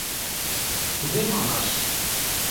— Кузе манаш?